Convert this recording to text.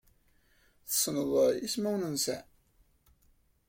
Tessneḍ ismawen-nsen?